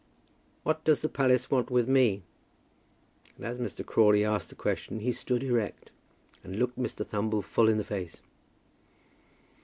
"What does the palace want with me?" And as Mr. Crawley asked the question he stood erect, and looked Mr. Thumble full in the face.